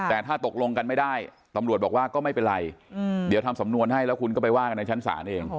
แต่ถ้าตกลงกันไม่ได้ตำรวจบอกว่าก็ไม่เป็นไรเดี๋ยวทำสำนวนให้แล้วคุณก็ไปว่ากันในชั้นศาลเอง